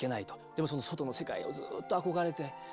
でもその外の世界をずっと憧れて。